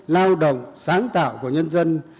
lao động sáng tạo của nhân dân